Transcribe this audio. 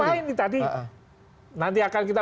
ya ngapain nih tadi nanti akan kita